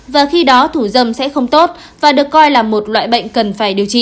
và khi đó thủ dâm sẽ không tốt và được coi là một loại bệnh cần phải điều trị